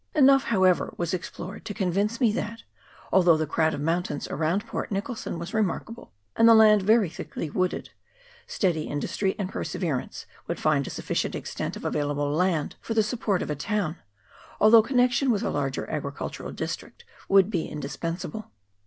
Enough, however, was explored to convince me that, although the crowd of mountains around Port Nicholson was remarkable, and the land very thickly wooded, steady industry and perseverance would find a sufficient extent of available land for the support of a town, although connection with a larger agricultural district would be indispensable.